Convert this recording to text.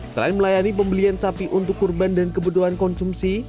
selain melayani pembelian sapi untuk kurban dan kebutuhan konsumsi